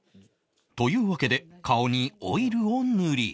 というわけで顔にオイルを塗り